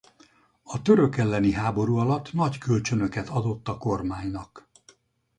A török elleni háború alatt nagy kölcsönöket adott a kormánynak.